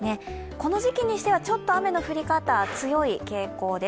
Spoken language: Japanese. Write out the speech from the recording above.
この時期にしてはちょっと雨の降り方、強い傾向です。